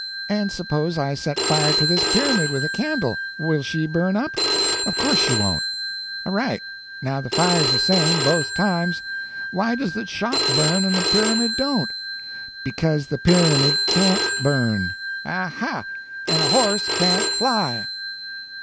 "And suppose I set fire to this pyramid with a candle—will she burn up?" "Of course she won't." "All right. Now the fire's the same, both times. Why does the shop burn, and the pyramid don't?" "Because the pyramid can't burn." "Aha! and _a horse can't fly!